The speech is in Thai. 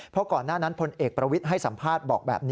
เพราะก่อนหน้านั้นพลเอกประวิทย์ให้สัมภาษณ์บอกแบบนี้